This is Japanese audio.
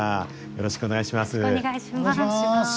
よろしくお願いします。